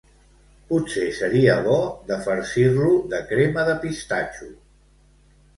potser seria bo farcir-lo de crema de pistatxo